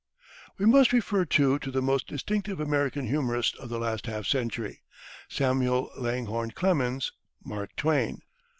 We must refer, too, to the most distinctive American humorist of the last half century, Samuel Langhorne Clemens "Mark Twain."